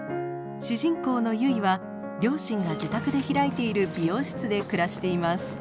主人公の結は両親が自宅で開いている美容室で暮らしています。